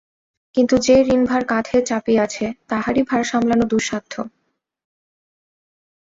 কিন্তু যে ঋণভার কাঁধে চাপিয়াছে, তাহারই ভার সামলানো দুঃসাধ্য।